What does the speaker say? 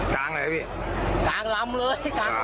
กลางอะไรครับพี่กลางลำเลย